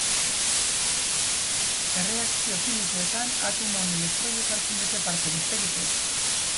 Erreakzio kimikoetan, atomoen elektroiek hartzen dute parte, besterik ez.